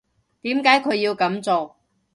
點解佢要噉做？